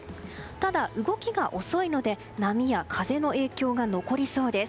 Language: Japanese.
ただ、動きが遅いので波や風の影響が残りそうです。